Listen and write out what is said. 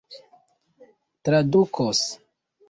tradukos